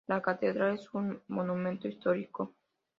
La catedral es un monumento histórico.